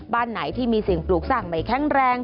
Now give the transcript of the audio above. บ้านไหนที่มีเสียงปลูกสาหกใหม่แข็งแรง